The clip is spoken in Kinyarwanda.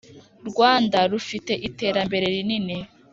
rwanda rufite iterambere rinini